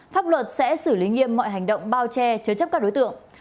pháp luật sẽ xử lý nghiêm mọi hành động bao che chứa chấp các đối tượng